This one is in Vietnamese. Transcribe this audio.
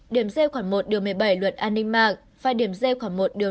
điểm d khoảng một điều một mươi bảy luật an ninh mạc và điểm d khoảng một điều năm